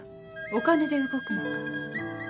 お金で動くのか？